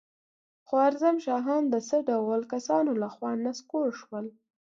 خوارزم شاهان د څه ډول کسانو له خوا نسکور شول؟